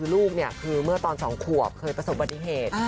ลูกเนี่ยเมื่อตอนสองขวบเคยประสบบติเหตุ